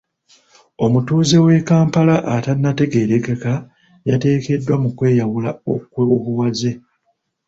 Omutuuze w'e Kampala atanategeerekeka yateekeddwa mu kwe yawula okw'obuwaze.